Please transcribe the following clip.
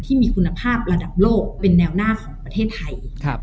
ที่มีคุณภาพระดับโลกเป็นแนวหน้าของประเทศไทย